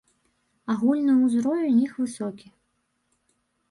Агульны ўзровень іх высокі.